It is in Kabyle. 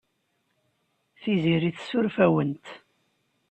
Tiziri tessuref-awent.